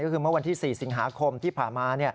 ก็คือเมื่อวันที่๔สิงหาคมที่ผ่านมา